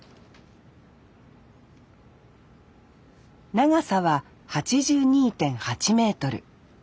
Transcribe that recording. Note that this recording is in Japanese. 長さは８２．８メートル。